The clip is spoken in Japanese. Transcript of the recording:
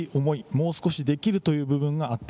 もう少しできるという部分があった。